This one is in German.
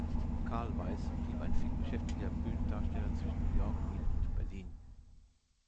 Karlweis blieb ein vielbeschäftigter Bühnendarsteller zwischen New York, Wien und Berlin.